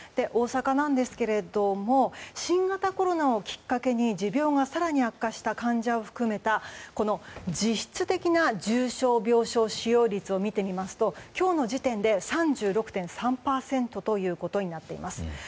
大阪なんですけれども新型コロナをきっかけに持病が更に悪化した患者を含めた実質的な重症病床使用率を見てみますと今日の時点で３６．３％ということになっています。